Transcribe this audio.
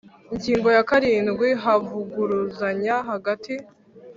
Ingingo ya karindwi Ivuguruzanya hagati